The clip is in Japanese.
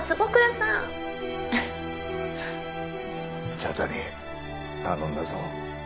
茶谷頼んだぞ。